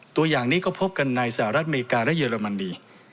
ตัวอย่างนี้ก็พบกันในสหรัฐอเมริกาและเยอรมนี